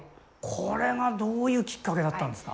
これがどういうきっかけだったんですか？